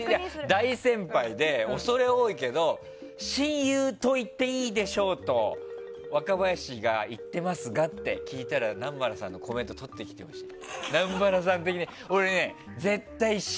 大先輩で恐れ多いけど親友と言っていいでしょうと若林が言ってますがって聞いたら南原さんのコメントとってきてほしい。